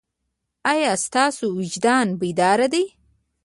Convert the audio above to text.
ایا ستاسو وجدان بیدار دی؟